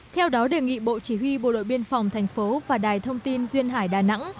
theo đó đề nghị bộ chỉ huy bộ đội biên phòng thành phố và đài thông tin duyên hải đà nẵng